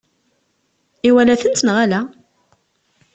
Iwala-tent neɣ ala?